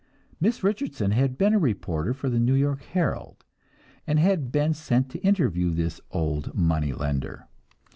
Miss Richardson had been a reporter for the New York Herald, and had been sent to interview this old money lender.